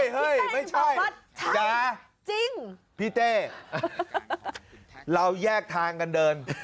เฮ้ยไม่ใช่อย่าจริงพี่เต้เราแยกทางกันเดิน